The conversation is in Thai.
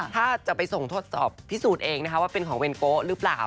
ถ้าจะไปส่งทดสอบพิสูจน์เองนะคะว่าเป็นของเวนโกะหรือเปล่า